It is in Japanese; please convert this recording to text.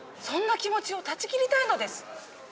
そんな気持ちを断ち切りたいのです！